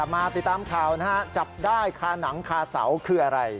มาติดตามข่าวนะฮะจับได้คาหนังคาเสาคืออะไร